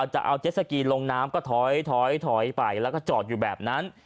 จะเอาเจ็ดสกีลงน้ำก็ถอยไปแล้วก็จอดอยู่แบบนั้น